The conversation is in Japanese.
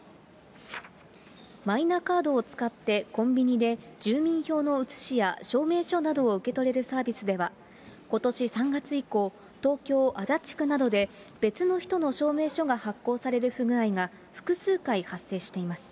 マイナカードを使って、コンビニで住民票の写しや証明書などを受け取れるサービスでは、ことし３月以降、東京・足立区などで別の人の証明書が発行される不具合が複数回発生しています。